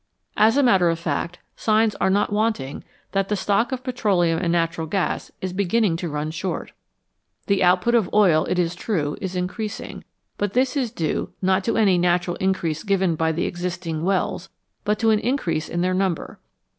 As a matter of fact, signs are not wanting that the stock of petroleum and natural gas is beginning to run short. The output of oil, it is true, is increasing, but this is due, not to any natural increase given by the existing wells, but to an increase in their number.